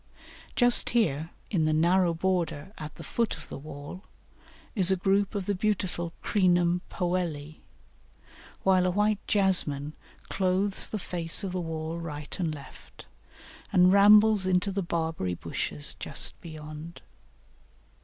Just here, in the narrow border at the foot of the wall, is a group of the beautiful Crinum Powelli, while a white Jasmine clothes the face of the wall right and left, and rambles into the Barberry bushes just beyond.